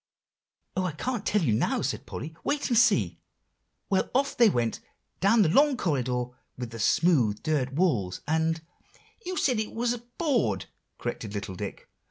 "Oh, I can't tell you now!" said Polly; "wait and see. Well, off they went down the long corridor with the smooth dirt walls, and" "You said it was board," corrected little Dick.